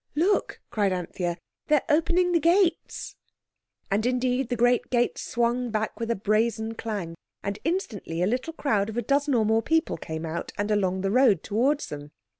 "Look!" cried Anthea; "they're opening the gates." And indeed the great gates swung back with a brazen clang, and instantly a little crowd of a dozen or more people came out and along the road towards them.